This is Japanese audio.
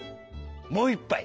もう一杯」。